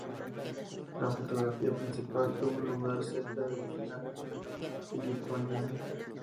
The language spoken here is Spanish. La fotografía principal tuvo lugar cerca de Vilna, Lituania.